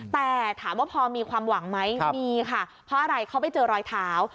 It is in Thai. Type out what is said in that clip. แต่ถามว่าพอมีความหวังไหมมีค่ะเพราะอะไรเขาไปเจอรอยเท้า